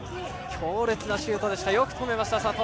強烈なシュートをよく止めました佐藤。